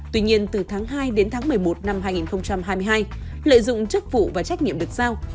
tuy nhiên từ tháng hai đến tháng một mươi một năm hai nghìn hai mươi hai lợi dụng chức vụ và trách nhiệm được giao